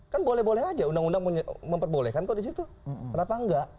kan boleh boleh aja undang undang memperbolehkan kok di situ kenapa enggak